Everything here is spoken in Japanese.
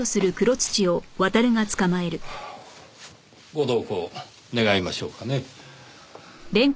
ご同行願いましょうかね。